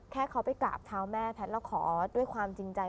แค่เขาไปกราบเท้าแม่แพทย์แล้วขอด้วยความจริงใจ